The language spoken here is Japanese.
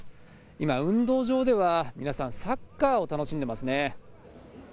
今、運動場では皆さん、サッカーを楽しんでますね。